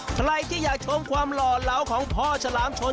ใครที่อยากชมความหล่อเหลาของพ่อฉลามชน